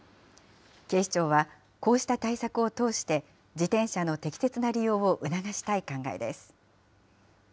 警視庁は、こうした対策を通して、自転車の適切な利用を促したい考えです。